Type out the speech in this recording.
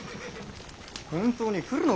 本当に来るのか？